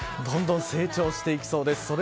どんどん成長していきそうです。